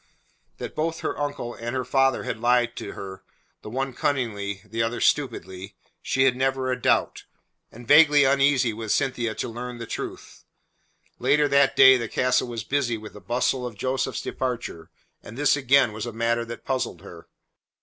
That both her uncle and her father had lied to her the one cunningly, the other stupidly she had never a doubt, and vaguely uneasy was Cynthia to learn the truth. Later that day the castle was busy with the bustle of Joseph's departure, and this again was a matter that puzzled her.